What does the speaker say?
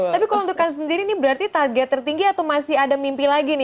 tapi kalau untuk kasus sendiri ini berarti target tertinggi atau masih ada mimpi lagi nih